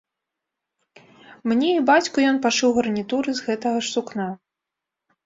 Мне і бацьку ён пашыў гарнітуры з гэтага ж сукна.